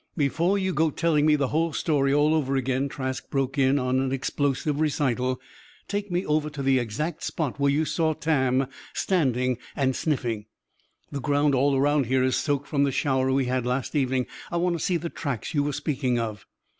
"Before you go telling me the whole story all over again," Trask broke in on an explosive recital, "take me over to the exact spot where you saw Tam standing and sniffing. The ground all around here is soaked from the shower we had last evening. I want to see the tracks you were speaking of."